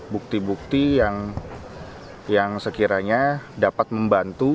bukti bukti yang sekiranya dapat membantu